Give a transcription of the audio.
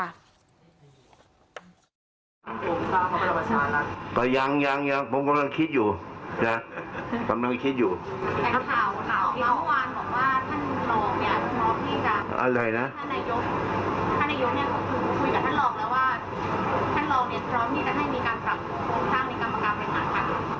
ยังยังยังผมกำลังคิดอยู่นะผมกำลังคิดอยู่